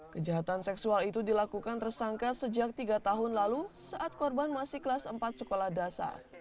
kejahatan seksual itu dilakukan tersangka sejak tiga tahun lalu saat korban masih kelas empat sekolah dasar